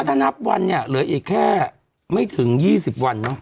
ถ้านับวันเนี่ยเหลืออีกแค่ไม่ถึง๒๐วันเนอะ